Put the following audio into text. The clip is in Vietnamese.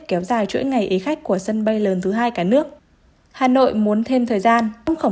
kéo dài chuỗi ngày ấy khách của sân bay lớn thứ hai cả nước hà nội muốn thêm thời gian ông khổng